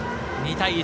２対１。